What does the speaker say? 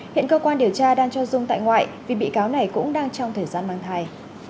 hiện cơ quan điều tra đang cho dung tại ngoại vì bị cáo này cũng đang trong thời gian mang thai